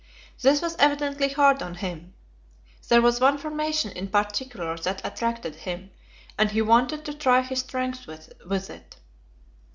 This was evidently hard on him; there was one formation in particular that attracted him, and he wanted to try his strength with it.